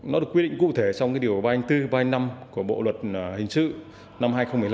nó được quyết định cụ thể trong điều ba bốn ba năm của bộ luật hình sự năm hai nghìn một mươi năm